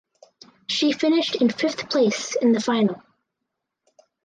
She finished in fifth place in the final.